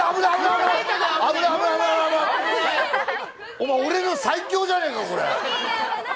お前俺の最強じゃねえか、これ。